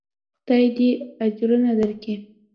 خداى دې اجرونه دركي.